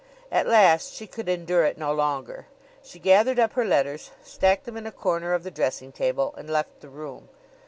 At last she could endure it no longer. She gathered up her letters, stacked them in a corner of the dressing table and left the room.